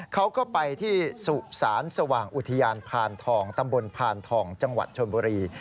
เขาก็ไปที่สุสานสว่างอุทยานพานทองตำบลพานทองจังหวัดชนบุรี